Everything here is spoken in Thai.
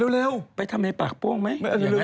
เร็วไปทำในปากปวงไม่